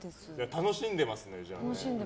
楽しんでますね。